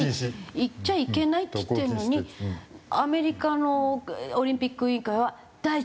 「行っちゃいけない」って言ってるのにアメリカのオリンピック委員会は「大丈夫日本には行ける」って。